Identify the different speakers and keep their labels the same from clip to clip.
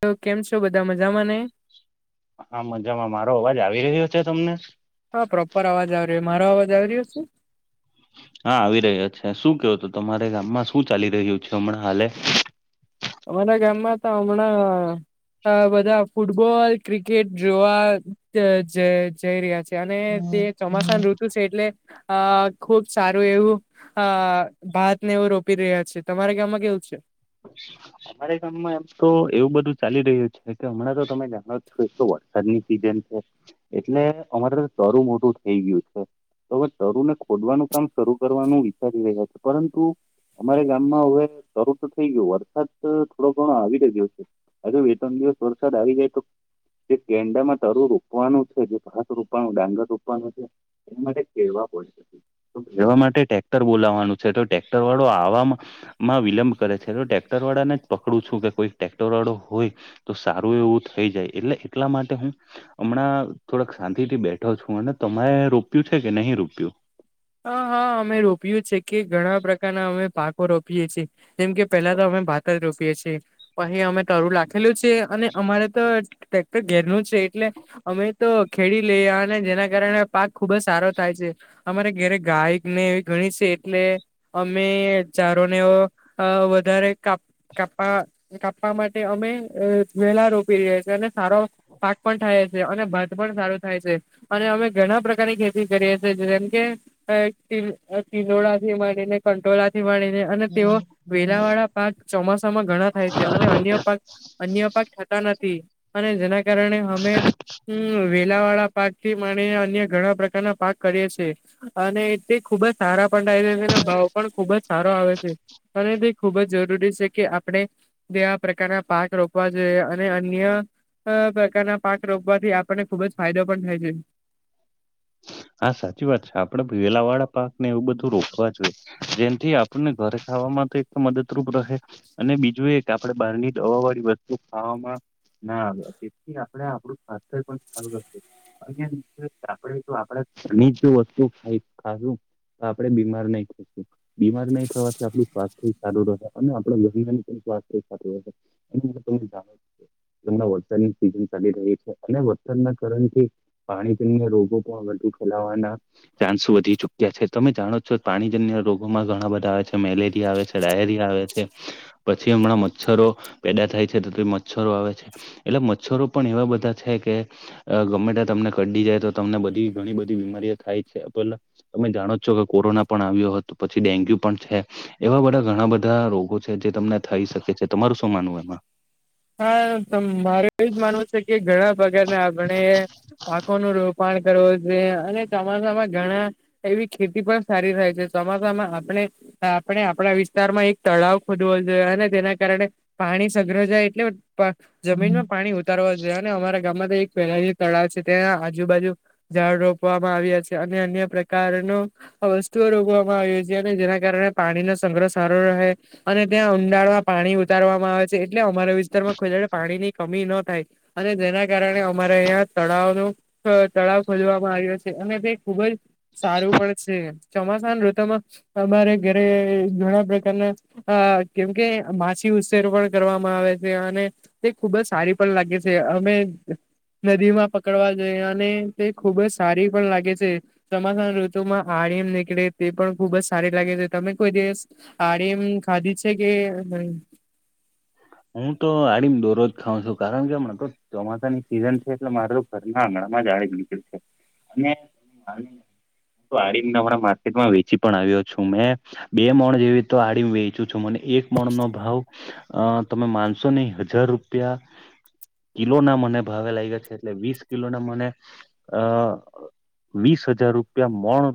Speaker 1: તો કેમ છો બધા મજામાં ને.
Speaker 2: આ મજામાં મારો અવાજ આવી રહ્યો છે તમને?
Speaker 1: હા પ્રોપર અવાજ આવ રહ્યો મારો અવાજ આવ રહ્યો છે?
Speaker 2: હા આવી રહ્યા છે શું કેવું હત તમારે ગામમાં શું ચાલી રહ્યું છે હમણાં હાલે?
Speaker 1: અમારા ગામમાં તો હમણાં અ બધા ફૂટબોલ ક્રિકેટ જોવા જઈ રહ્યા છે. અને તે ચોમાસાનું ઋતુ છે એટલે અ ખુબ સારું એવું. હ ભાત ને એવું રોપી રહ્યા છે તમારે ગામમાં કેવું છે.
Speaker 2: અમારે ગામમાં એમ તો એવું બધું ચાલી રહ્યું છે કે હમણાં તો તમે જાણો છો એ તો વરસાદની સિઝન છે. એટલે અમારે તોરું મોટું થઈ ગયું છે. હવે તરુ ને ખોદવાનું કામ શરૂ કરવાનું વિચારી રહ્યા છે પરંતુ અમારે ગામ માં હવે શરૂ તો થઇ ગયું વરસાદ થોડો ઘણો આવી જ દિવ છે હજ બે ત્રણ દિવસ વરસાદ આવી જાય તો. જે કેંડામાં તરું રોપવાનું છે જે ભાત રોપવાનું ડાંગર રોપવાનું છે. એ માટે કેવા પડશે. એવા માટે ટટેક્ટર બોલાવવાનું છે તો ટટેક્ટર વાળો આવામાં. માં વિલંબ કરે છે એ ટક્ટર વાળાને. પકડું છું કે કોઈ ટટેક્ટર વાળો હોય તો સારું એવું થઈ જાય એટલે એટલા માટે હું હમણાં થોડક શાંતિ થી બેઠો છું અને તમારે રોપ્યું છે કે નહી રોપ્યું?
Speaker 1: હ હા અમે રોપયએ છે કે ઘણા પ્રકારના અમે પાકો રોપીએ છીએ. કેમ કે પેલા તો અમે ભાત જ રોપીએ છીએ તો અહી અમે તરું રાખેલું છે અને અમારે તો ટટેક્ટર ઘેરનું છે એટલે અમે તો ખેડી લઈ અને જેના કારણે પાક ખુબ જ સારો થાય છે અમારે ક્યારે ગાયક ને એવી ગણી છે એટલે અમે ચારોને વધારે કાપ કાપા કાપવા માટે અમે વેલા રોપી રહ્યા છીએ અને સારો પાક પણ થાય છે અને ભાત પણ સારો થાય છે. અને અમે ઘણા પ્રકારની ખેતી કરીએ જેમ કે તિલોડા થી મળીને કંટોળ થી મળીને અને તેઓ વેલાવાળા પાક ચોમાસામાં ઘણા થાય છે અને અન્ય પાક અન્ય પાક થતા નથી અને જેના કારણે અમે અમ્મ વેલા વાળા પાક થી માણે અન્ય ઘણા પ્રકારના પાક કરીે છે અને તે ખુબ જ સારા પણાય છે અને ભાવ પણ ખુબ જ સારો આવે છે. અને તે ખૂબ જ જરૂરી છે કે આપણે દેવા પ્રકારના પાક રોપવા જોઈએ અને અન્ય આ પ્રકારના પાક રોકવાથી આપણને ખુબ જ ફાયદો પણ થાય છે.
Speaker 2: હા સાચી વાત છે આપડે વેલા વાળા પાક ને એવું બધું રોકવા જોઈએ. જેથી આપણને ઘરે ખાવામાં તો એક મદદરૂપ રહે. અને બીજું એ આપણે બહારની હવા વાળી વસ્તુ ખાવામાં. હા આવ્યા તેથી આપણે આપણું સ્વાસ્થ્ય પણા [unintelligible] આપ જો આપણે ઘરની વસ્તુ ખ ખાશું તો આપડે બીમાર નહી પડીશું. બીમાર નહીં થવાથી આપણું સ્વાસ્થ્ય સારું રહે અને આપડ જરી પણ સ્વાસ્થ્ય સારું રહે. [unintelligible] હમણા વરસાદની સીઝન ચાલી રહી છે અને વરસાદના કારણથી પાણી પીને રોગ. [unintelligible] ચાન્સ વધી ચુક્યા છે. તમે જાણો છો પાણીજન્ય રોગોમાં ઘણા બધા આવે છે. મેલેરિયા આવે છે. ડાયરિયા આવે છે. પછી હમણાં મચ્છરો પેદા થાય છે. તો મચ્છરો આવે છે. એટલે મચ્છરો પણ એવા બધા છે કે ગમેતા તમને કડી જાય તો તમને બધી ઘણી બધી બીમારીઓ થાય છે. પેલા તમે જાણો છો કે કોરોના પણ આવ્યો હતો. પછી ડેન્ગ્યુ પણ છે. એવા બધા ઘણા બધા રોગો છે. જે તમને થઈ શકે છે. તમારું શું માનવું એમાં?
Speaker 1: હા મારે એજ માનવું છે કે ઘણા પ્રકારને આપણે પાકોનું રોપણ કરવો જોએ. અને ચોમાસામાં ઘણા એવી ખેતી પણ સારી રહેાય છે. ચોમાસામાં આપણે આપણે આપણા વિસ્તાર માં એક તળાવ ખોદવો જોઈએ. અને તેના કારણે પાણી સઘ્ર જાય. [unintelligible] જમીનમાં પાણી વ તરવા અને અમારા ગામમાં તો એક પહેલા તળાવ છે. ત્યાં આજુબાજુ ઝાડ રોપવામાં આવ્યા છે. અને અન્ય પ્રકારનું આ વસ્તુઓ રોકવામાં આવી છે. અને જેના કારણે પાણીનો સંગ્રહ સારો રહે. અને ત્યાં ઊંડાણમાં પાણી ઉતારવામાં આવે છે. એટલે અમારા વિસ્તારમાં કોઈ ડાલા પાણીની કમી ન થાય. અને જેના કારણે અમારે અહં તળાવનું. તળાવ ખોલવામાં આવ્યો છે. અને તે ખુબ જ સારું પણ છે. ચોમાસા ની ઋતમાં અમારે ઘરે ઘણા પ્રકારના અ કેમકે માછી ઉછેર પણ કરવામાં આવે. અને તે ખુબ જ સારી પણ લાગે છે. અમે નદી માં પકડવા જઈ અને તે ખુબ જ સારી પણ લાગે છે. ચમાસાના ઋતુમાં આરિમ એમ નીકળે તે પણ ખુબ જ સારી લાગે છે. તમે કોઈ દિવસ આડીમ ખાધી છે કે
Speaker 2: હું તો આડીમ દોરોજ ખાઉં છું. કારણ કે મને ચોમાસાની સિઝન છે. એટલે મારે ઘરના આંગણામાં જ આડીમ નીકળે છે. [unintelligible] આડીમ માર્કેટમાં વેચી પણ આવ્યો છું મેં. બે મણ જેવી તો આડી વેચું છું. મને એક મણ નો ભાવ અ તમે માનશો નહી હજાર રૂપિયા કિલો ના મને ભાવે લાગ્યા છે. એટલે વીસ કિલો ના મને અ વીસ હજાર રૂપિયા મોણ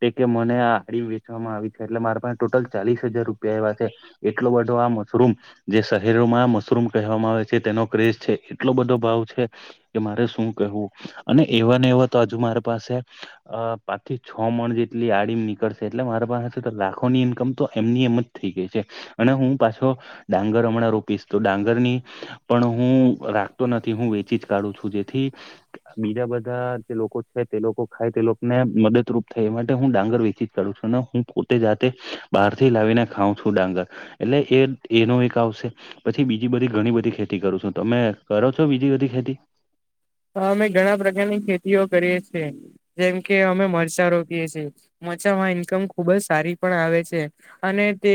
Speaker 2: તે કે મને આ આડીમ વેચવામાં આવી છે. એટલે મારા પાસે ટોટલ ચાલીસ હજાર રૂપિયા એવા છે. એટલો બધો આ મશરૂમ જે શરીરોમાં મશરૂમ કહેવામાં આવે છે. તેનો ક્રેઝ છે એટલો બધો ભાવ છે. કે મારે શું કહેવું અને એવાને એવા તો હજુ મારી પાસે અ પાંચ થી છ મણ જેટલી આડીમ નીકળશે. એટલે મારી પાસેશે તો લાખોની ઈન્કમ તો એમની એમ થઈ ગઈ છે. અને હું પાછો ડાંગર હમણાં રોપીશ તો ડાંગરની પણ હું રાખતો નથી. હું વેચી જ કાઢું છું. જેથી બીજા બધા જે લોકો છે તે લોકો ખાય તે લોકોને મદદરૂપ થાય એ માટે હું ડાંગર વેચી કર છુ. હું પોતે જાતે બહાર થી લાવીને ખાઉં છું ડાંગર. એટલે એ એનો એક આવશે પછી બીજી બધી ઘણી બધી ખેતી કરું છું. તમે કરો છો બીજી બધી ખેતી?
Speaker 1: અમે ઘણા પ્રકારની ખેતીઓ કરીએ છીએ. જેમ કે અમે મરચા રોપીએ છીએ. મચામાં ઇન્કમ ખુબ જ સારી પણ આવે છે. અને તે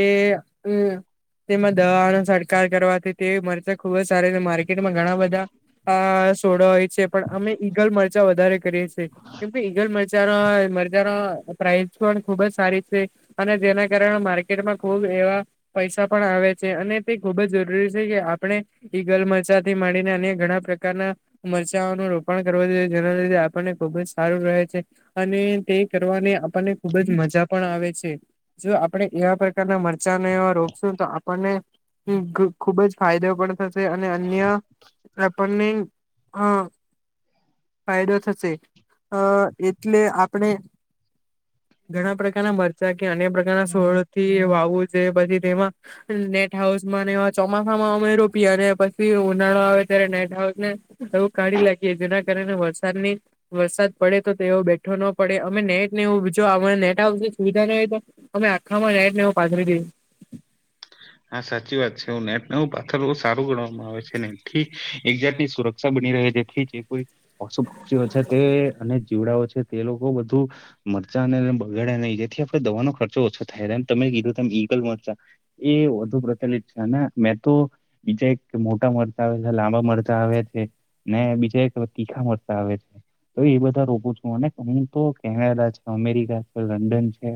Speaker 1: તેમાં દવાનો છટકાર કરવાથી તે મરચા ખુબ જ સારી છે. માર્કેટમાં ઘણા બધા આ સોડા હોય છે. પણ અમે ઈગલ મરચા વધારે કરીએ છીએ. કેમ કે ઈગલ મરજા મરજાનો પ્રાઇસ પણ ખુબ જ સારી છે અને જેના કારણે માર્કેટમાં ખુબ એવા પૈસા પણ આવે છે અને તે ખુબ જ જરૂરી છે કે આપણે ઈ ગલમરચા થી માંડીને અને ઘણા પ્રકારના મ નું રોપણ કરવા દી જેના લીધે આપણને ખુબ જ સારું રહે છે અને તે કરવાની આપણને ખુબ જ મજા પણ આવે છે જો આપણે એવા પ્રકારના મરચાંને એ રોપશું તો આપણને [unintelligible] ખુબ જ ફાયદો પણ થશે અને અન્ય આપણને અ ફાયદો થશે અ એટલે આપણે ઘણા પ્રકારના મરચાં કે અન્ય પ્રકારના સોળથી વાવું જે પછી તેમાં નેટ હાઉસ માં ને એ ચોમાસા માં અમે રોપી અને પછી ઉનાળો આવે ત્યારે નેટ હાઉસ ને એવુ કાઢી લાગી જેના કારણે વરસાદની વરસાદ પડે તો તેઓ બેઠો ન પડે અમે નેટ ને એવું જો નેટ હાઉસની સુવિધા ન હોય તો તમે આખામાં નેટ ને એવું પાથરી દઈએ
Speaker 2: હા સાચી વાત છે નેટ ને એવુ પાથરવુ સારું ગણવામાં આવે છે નેથી એક્ઝેટલી સુર ક્ષા બની રહે જેથી જે કોઈ પશુ પક્ષીઓ છે તે અને જીવડાઓ છે તે લોકો બધું મરચાં અને એ બગાડે ને જેથી આપણે દવાનો ખર્ચો ઓછો થાય એમ તમે કીધું ત ઈગલ મરચા એ વધુ પ્રચલિત છે અને મેં તો બીજા એક મોટા મરચા આવે છે લાંબા મરચા આવેયા છે ને બીજા એક તીખા મરચાં આવે છે તો એ બધા રોપુ છું અને હું તો કેનેડા છે, અમેરિકા છે, લંડન છે,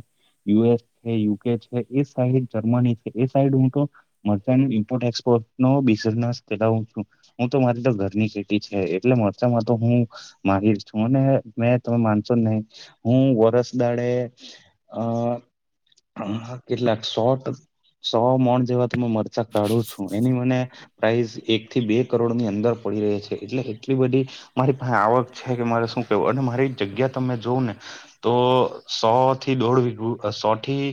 Speaker 2: યુએસ છે, યુકે છે, એ સાઈડ જર્મની છે, એ સાઈડ હું તો મરચા ની ઇમ્પોર્ટ એસપોર્ટ બિઝનેસ ધરાવું છું હું તો મારી તો ઘરની ખેતીછે, એટલે મરચામાં તો હું માહીર છું અને મેં તમે માનશો નહી હું વરસ દાડે અ કેટલાક શોટ સો મોણ જેવા તું મરચા કાઢું છું એની મને પ્રાઇઝ એક થી બે કરોડ ની અંદર પડી રે છે, એટલે એટલી બધી મારી પાસે આવક છે કે મારે શું કેવું અને મારી જગ્યા તમે જોવ ને તો સો થી દોઢ વીગુ સો થી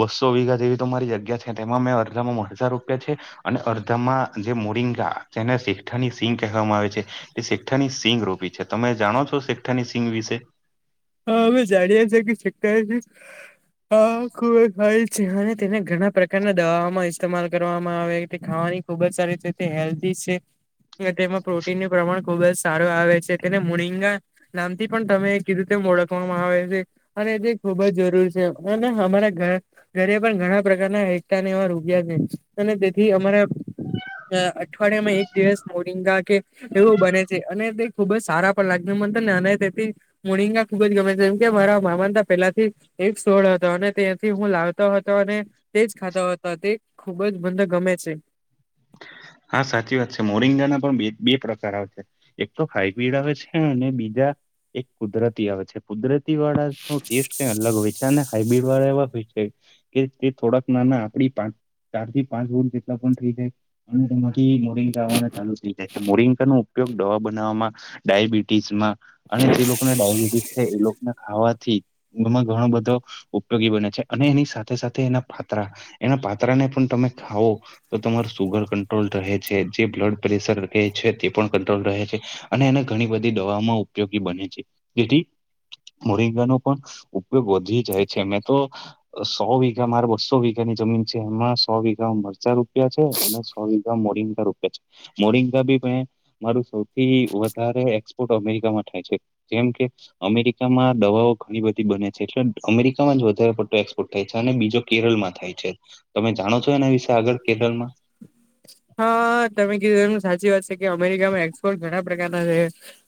Speaker 2: બસો વીઘા જેવી તો મારી જગ્યા છે તેમાં મેં અરધામાં મા મરચા રોપયા છે. અને અડધામાં જે મોરિંગા જેને શેઠાની સિંગ કહેવામાં આવે છે. એ શેખઠાની સિંગ રોપી છે, તમે જાણો છો શેખઠાની સિંગ વિશે?
Speaker 1: હા હવે જાડિયા છે કે [unintelligible] હા ખુબ ખાય છે અને તેને ઘણા પ્રકારના દવામાં ઇસ્તેમાલ કરવામાં આવે તે ખાવાની ખુબ જ સારી રીતે હેલ્ધી છે. તેમાં પ્રોટીનનું પ્રમાણ ખુબ જ સારું આવે છે તેને મોરિંગા નામથી પણ તમે કીધું ઓળખવામાં આવે છે અને તે ખુબ જ જરૂર છે અને અમારા ઘર ઘરે પણ ઘણા પ્રકારના [unintelligible] એવા રોપ્યા છે અને તેથી અમારા અ અઠવાડિયા માં એક દિવસ મોરિંગા કે એવું બને છે અને તે ખુબ જ સારા પણ લાગે મને ત ને અને તેથી મોરિગા ખુબ જ ગમે છે એમ કે મારા મામાને તો પહેલાથી એક સોળ હતો અને ત્યાંથી હું લાવતો હતો અને તે જ ખાતા હતા તે ખુબ જ બંધા ગમે છે.
Speaker 2: હા સાચી વાત છે મોરિંગા ના પણ બે પ્રકાર આવે છે. એક તો હાઈબ્રીડ આવે છે, અને બીજા એક કુદરતી આવે છે, કુદરતી વાળા નો ટેસ્ટ ક અલગ હોય છે અને હાઈબ્રિડ વાળા એવા હોય છે. કે તે થોડાક નાના આપડી પાંચ ચાર થી પાંચ વો જેટલા પણ થઈ જાય અને એમાંથી મોરિંગા આવવાનું ચાલુ થઇ જાય મોરિંગા નો ઉપયોગ દવા બનાવવામાં ડયાબિટીસમાં અને જે લોકો ને ડયાબિટીસ છે એ લોકોને ખાવાથી એમાં ઘણો બધો ઉપયોગી બને છે અને એની સાથે સાથે એના પાતરા એના પાત્રાને પણ તમે ખાવો તો તમારું સુગર કંટ્રોલ રહે છે, જે બ્લડ પ્રેશર રહે છે, તે પણ કંટ્રોલ રહે છે, અને એને ઘણી બધી દવામાં ઉપયોગી બને છે, જેથી મોરિંગાનો પણ ઉપયોગ વધી જાય છે, મેં તો સો વીઘા મારે બસ્સો વીઘા ની જમીન છે એમાં સો વીઘા મરચા રોપિયા છે ને સો વીઘા મોરિંગ રોપિયા છે મોરિંગ ભી મેં મારું સૌથી વધારે એક્સપોર્ટ અમેરિકામાં થાય છે જેમ કે અમેરિકામાં દવાઓ ઘણી બધી બને છે એટલે અમેરિકામાં જ વધારે પડતો એક્સપોર્ટ થાય છે અને બીજો કેરળમાં થાય છે તમે જાણો છો એના વિશે આગળ કેરળમાં.
Speaker 1: હા તમે કીધું એ સાચી વાત છે કે અમેરિકામાં એક્સપોર્ટ ઘણા પ્રકારના છે.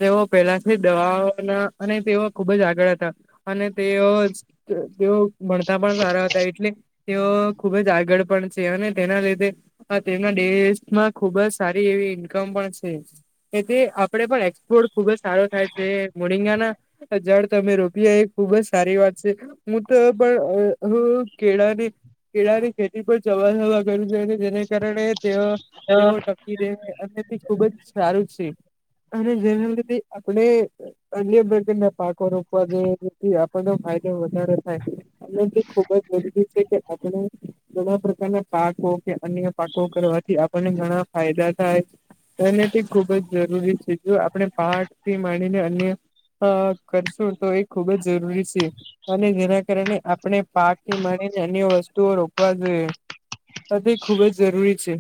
Speaker 1: તેઓ પેલાથી દવાઓના અને તેઓ ખુબ જ આગળ હતા અને તેઓ જ તેઓ ભણતા પણ સારા હતા એટલે તેઓ ખુબ જ આગળ પણ છે અને તેના લીધે હા તેના દેશમાં ખુબ જ સારી એવી ઈન્કમ પણ છે. એથી આપડે પણ એક્સપોર્ટ ખુબ જ સારો થાય છે મોરિંગાના આ જાડ તમે રોપિયા એ ખુબ જ સારી વાત છે. હું તો પણ હું હું કેળાની કેળાની ખેતી પર ચવા જવા કરું છું અને જેને કારણે તેઓ તેઓ ટ [unintelligible] અને તે ખુબ જ સારું છે અને જેના લીધે આપણે અન્ય બર્ગરના પાકો રોપવાથી જેથી આપણનો ફાયદો વા વધારે થાય અમે જે ખુબ જ વધુ છે કે આપણો ઘણા પ્રકારના પાકો કે અન્ય પાકો કરવાથી આપણને ઘણા ફાયદા થાય. તેને તે ખુબ જ જરૂરી છે જો આપણે પાક થી માણીને અન્ય હા કરશું તો એ ખુબ જ જરૂરી છે. અને જેના કારણે આપણે પાક થી મળીને અન્ય વસ્તુઓ રોકવા જોઈએ. તો તે ખુબ જ જરૂરી છે.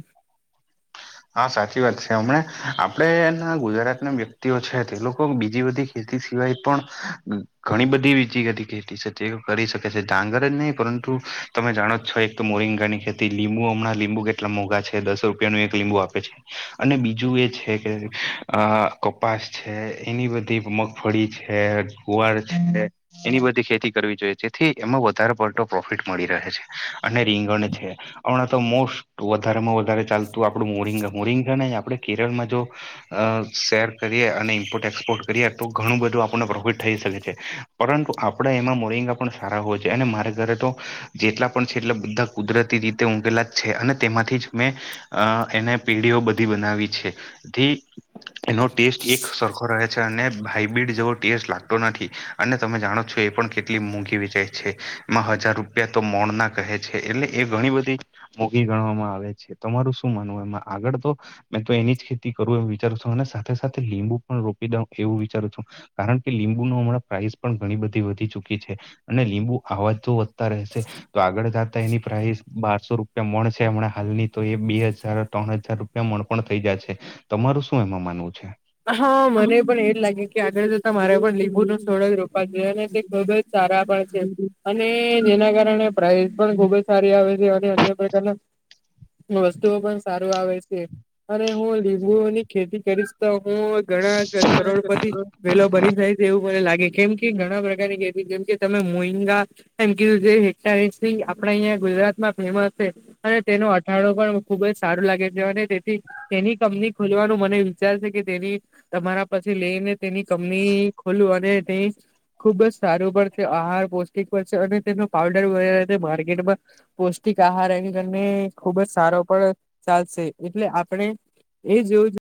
Speaker 2: હા સાચી વાત છે હમણા આપડે એના ગુજરાતના વ્યક્તિઓ છે તે લોકો બીજી બધી ખેતી સિવાય પણ ઘણી બધી બીજી બધી ખેતી છે તે કરી શકે છે ડાંગર નહી પરંતુ તમે જાણો જ છો એક તો મોરિંગા ની ખેતી લીંબુ હમણાં લીંબુ કેટલા મોંઘા છે દસો રૂપિયાનું એક. લીંબુ આપે છે. અને બીજું એ છે કે આ કપાસ છે એની બધી મ મગફળી છે ગુવાર છે. એની બધી ખેતી કરવી જોઈએ જેથી એમાં વધારે પડતો પ્રોફિટ મળી રહે છે અને રીંગણ છે. હમણાં તો મોસ્ટ વધારેમાં વધારે ચાલતું આપડું મોરિંગા મોરિંગા ને આપડે કેરળમાં જો અ શેર કરીએ અને ઇમ્પોર્ટ એક્સપોર્ટ કરીએ તો ઘણું બધું આપને પ્રોફિટ થઈ શકે છે. પરંતુ આપણા એમાં મોરિંગા પણ સારા હોય છે અને મારે ઘરે તો જેટલા પણ છે એટલા બધા કુદરતી રીતે ઊંઘેલા જ છે અને તેમાંથી જ મે અ એને પેઢીઓ બધી બનાવી છે તે એનો ટેસ્ટ એક સરખો રહે છે અને હાઈબ્રિડ જેવો ટેસ્ટ લાગતો નથી. અને તમે જાણો છો એ પણ કેટલી મોંઘી વિચાય છે એમાં હજાર રૂપિયા તો મોણ ના કહે છે એટલે એ ઘણી બધી મોઘી ગણવામાં આવે છે તમારું શું માનવું એમાં આગળ તો મેં તો એની જ ખેતી કરું એ વિચારું છું અને સાથે સાથે લીંબુ પણ રોપી દઉં એવું વિચારું છું. કારણ કે લીંબુ ન હમણાં પ્રાઇસ પણ ઘણી બધી વધી ચુકી છે. અને લીંબુ આવાત તો વધતા રહેશે. તો આગળ જતા એની પ્રાઇસ બારસો રૂપિયા મળશે હમણા હાલની તો એ બે હજાર હાજર ત્રણ હજાર રૂપિયા મન પણ થઈ જાય છે તમારું શું એમાં માનવું છે.
Speaker 1: હા મને પણ એજ લાગે કે આગળ જતા મારે પણ લીંબુ નો છોડ જ રોપવા જોઈએ અને તે ખબર સારા પણ છે અને જેના કારણે પ્રાઇઝ પણ ખુબ જ સારી આવે છે અને અન્ય પ્રકારના વસ્તુઓ પણ સારું આવે છે અને હું લીંબુઓ ની ખેતી કરીશ તો હું ઘણા કરોડપતી વેલો બની જાઈશ. એવું મને લાગે કેમ કે ઘણા પ્રકારની ખેતી જેમ કે તમે મરીન્ગા એમ કીધું જે [unintelligible] આપણા અહીંયા ગુજરાતમાં ફેમસ છે. અને તેનો અથાણું પણ ખુબ જ સારું લાગે છે અને તેથી તેની કંપની ખોલવાનું મને વિચારશે કે તેની તમારા પાસે લઈને તેની કંપની ખોલું અને તે ખુબ જ સારું પરશે આહાર પૌષ્ટિક હોય છે અને તેનો પાવડર માર્કેટમાં પૌષ્ટિક આહાર એની કરીને ખુબ જ સારો પણ ચાલશે એટલે આપણે એ જેવું.